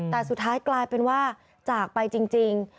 แต่สุดท้ายกลายเป็นว่าจากไปจริง